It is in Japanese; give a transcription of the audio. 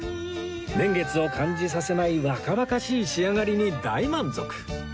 年月を感じさせない若々しい仕上がりに大満足